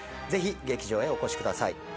ぜひ劇場へお越しください